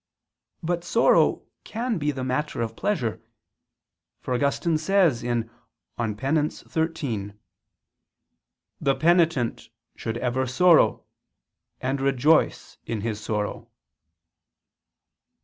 But sorrow can be the matter of pleasure; for Augustine says (De Poenit. xiii): "The penitent should ever sorrow, and rejoice in his sorrow."